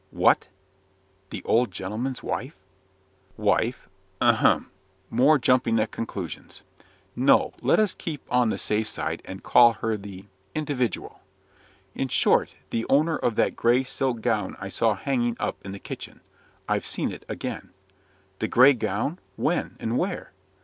"What! The old gentleman's wife?" "Wife? Ahem! more jumping at conclusions. No; let us keep on the safe side, and call her the individual. In short; the owner of that grey silk gown I saw hanging up in the kitchen. I've seen it again." "The grey gown! when and where?"